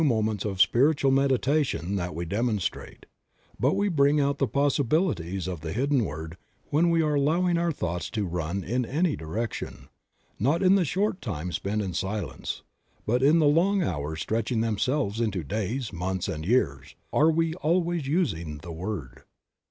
15 moments of spiritual meditation that we demonstrate, but we bring out the possibilities of the hidden word when we are allowing our thoughts to run in any direction; not in the short time spent in silence, but in the long hours stretching themselves into days, months, and years, are we always using the word.